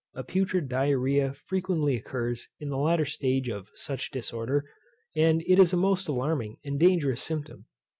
A putrid DIARRH[OE]A frequently occurs in the latter stage of such disorder, and it is a most alarming and dangerous symptom.